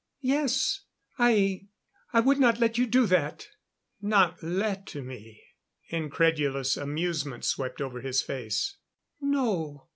"Yes. I I would not let you do that." "Not let me?" Incredulous amusement swept over his face. "No.